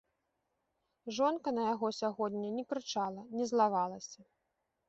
Жонка на яго сягоння не крычала, не злавалася.